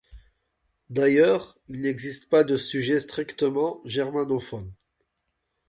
D'ailleurs, il n'existe pas de sujet strictement germanophone.